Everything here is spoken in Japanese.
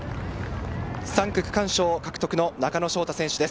３区区間賞獲得の中野翔太選手です。